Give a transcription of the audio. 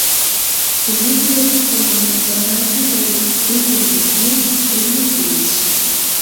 بىزگە كېرەكلىك بولغىنى جاسارەتكە كېلىپ ئۆزلۈكنى چۈشىنىش، ئۆزلۈككە يېتىش.